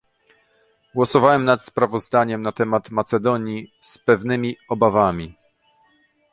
Głosowałem nad sprawozdaniem na temat Macedonii z pewnymi obawami